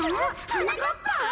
はなかっぱ？